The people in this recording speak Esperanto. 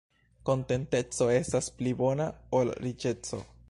Kontenteco estas pli bona ol riĉeco.